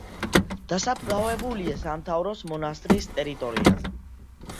დასაფლავებულია სამთავროს მონასტრის ტერიტორიაზე.